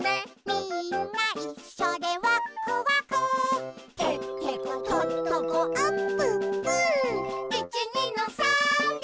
「みんないっしょでワックワク」「てってことっとこあっぷっぷ」「いちにのさーんで」